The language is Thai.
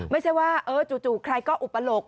ไม่ใช่ว่าจู่ใครก็อุปโลก